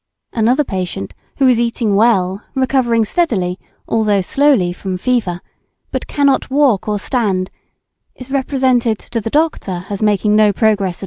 Another patient who is eating well, recovering steadily, although slowly, from fever, but cannot walk or stand, is represented to the doctor as making no progress at all.